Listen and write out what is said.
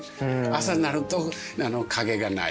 朝になると影がない。